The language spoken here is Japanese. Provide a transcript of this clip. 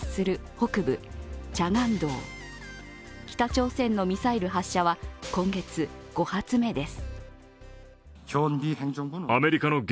北朝鮮のミサイル発射は今月５発目です。